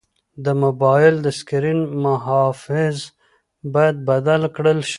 د موبایل د سکرین محافظ باید بدل کړل شي.